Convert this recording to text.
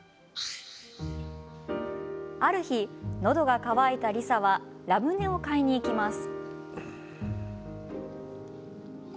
ある日、のどが乾いたリサはラムネを買いにいきます。